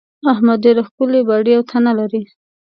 احمد ډېره ښکلې باډۍ او تنه لري.